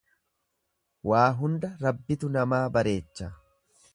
Waa hunda Rabbitu namaa bareecha.